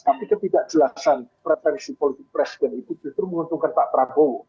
tapi ketidakjelasan preferensi politik presiden itu justru menguntungkan pak prabowo